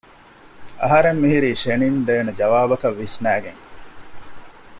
އަހަރެން މިހުރީ ޝެނިން ދޭނެ ޖަވާބަކަށް ވިސްނައިގެން